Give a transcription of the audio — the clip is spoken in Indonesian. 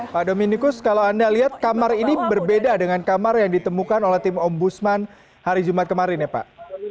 pak dominikus kalau anda lihat kamar ini berbeda dengan kamar yang ditemukan oleh tim ombudsman hari jumat kemarin ya pak